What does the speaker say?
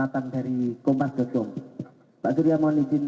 terima kasih very much